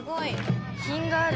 品がある。